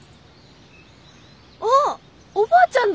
あっおばあちゃんだ。